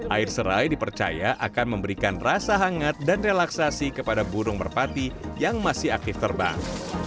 air serai dipercaya akan memberikan rasa hangat dan relaksasi kepada burung merpati yang masih aktif terbang